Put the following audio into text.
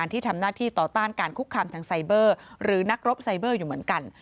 ที่ต่อต้านการคุกคำทางไซเบอร์หรือนักรบไซเบอร์อยู่เหมือนกัน